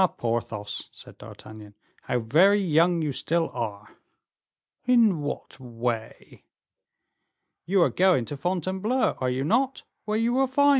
Porthos," said D'Artagnan, "how very young you still are." "In what way?" "You are going to Fontainebleau, are you not, where you will find M.